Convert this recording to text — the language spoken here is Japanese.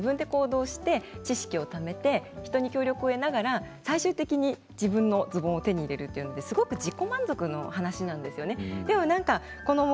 いいな、欲しいなどうしようということで自分で行動して知識をためて人に協力を得ながら最終的に自分のズボンを手に入れるというすごく自己満足の話なんですね。